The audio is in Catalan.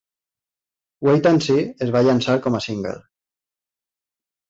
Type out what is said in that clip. "Wait and See" es va llançar com a single.